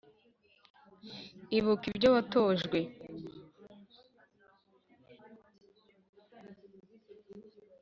ibuka ibyo watojwe